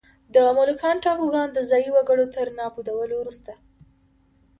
د مولوکان ټاپوګان د ځايي وګړو تر نابودولو وروسته.